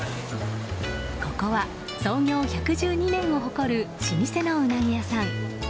ここは創業１１２年を誇る老舗のウナギ屋さん。